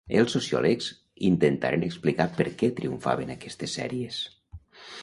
Els sociòlegs intentaren explicar per què triomfaven aquestes sèries.